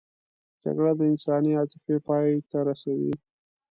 جګړه د انساني عاطفې پای ته رسوي